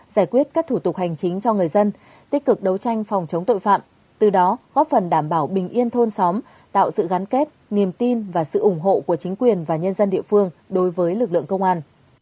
giải quyết các thủ tục hành chính cho người dân tích cực đấu tranh phòng chống tội phạm từ đó góp phần đảm bảo bình yên thôn xóm tạo sự gắn kết niềm tin và sự ủng hộ của chính quyền và nhân dân địa phương đối với lực lượng công an